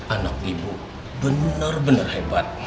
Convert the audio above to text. anak ibu bener bener hebat